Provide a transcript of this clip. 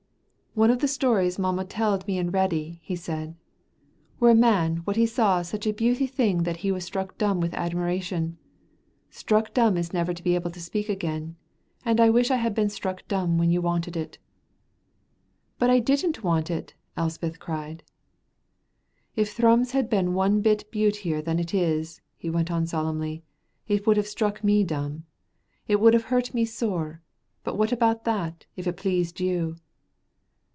"One of the stories mamma telled me and Reddy," he said, "were a man what saw such a beauty thing that he was struck dumb with admiration. Struck dumb is never to be able to speak again, and I wish I had been struck dumb when you wanted it." "But I didn't want it!" Elspeth cried. "If Thrums had been one little bit beautier than it is," he went on, solemnly, "it would have struck me dumb. It would have hurt me sore, but what about that, if it pleased you!"